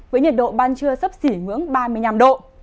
với nhiệt độ ban trưa sấp xỉ ngưỡng ba mươi năm độ